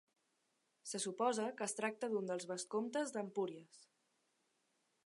Se suposa que es tracta d'un dels vescomtes d'Empúries.